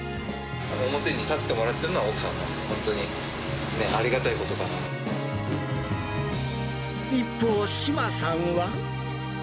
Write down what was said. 表に立ってもらってるのは奥さんだから、本当に、ありがたいこと一方、志麻さんは。